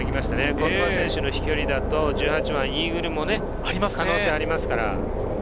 香妻選手の飛距離だと１８番、イーグルも可能性ありますから。